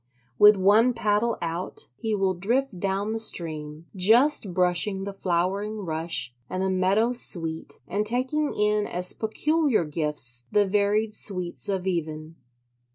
With one paddle out he will drift down the stream: just brushing the flowering rush and the meadow sweet and taking in as peculiar gifts the varied sweets of even.